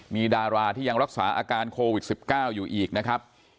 มีดาราที่ยังรักษาอาการโควิด๑๙อยู่อีกนะครับ